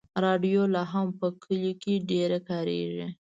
راډیو لا هم په کلیو کې ډېره کارېږي.